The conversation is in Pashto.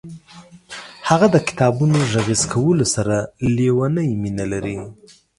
هغه د کتابونو غږیز کولو سره لیونۍ مینه لري.